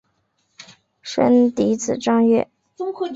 生嫡子张锐。